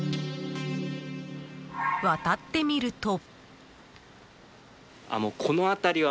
渡ってみると。